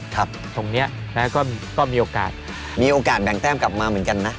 ครับตรงนี้แล้วก็มีโอกาสมีโอกาสแบ่งแต้มกลับมาเหมือนกันนะ